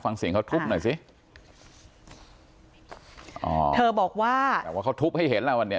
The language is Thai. ฟังเสียงเขาทุบหน่อยสิอ๋อเธอบอกว่าแต่ว่าเขาทุบให้เห็นแล้วว่าเนี่ย